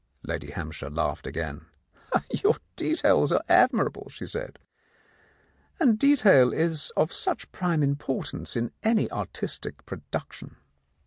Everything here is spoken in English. Lady Hampshire laughed again. "Your details are admirable," she said. "And detail is of such prime importance in any artistic production."